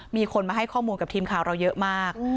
มีคนมาให้ข้อมูลกับทีมข่าวเราเยอะมาก